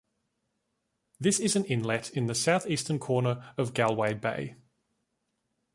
This is an inlet in the south-eastern corner of Galway Bay.